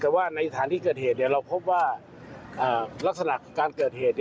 แต่ว่าในสถานที่เกิดเหตุเราพบว่าลักษณะการเกิดเหตุ